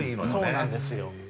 そうなんですよ。